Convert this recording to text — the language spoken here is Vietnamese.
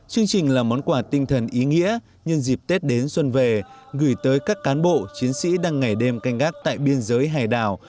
chương trình là món quà tinh thần ý nghĩa nhân dịp tết đến xuân về gửi tới các cán bộ chiến sĩ đang ngày đêm canh gác tại biên giới hải đảo